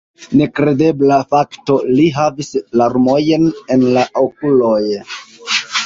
Nekredebla fakto: li havis larmojn en la okuloj!